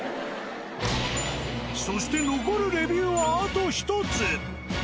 そして残るレビューはあと１つ。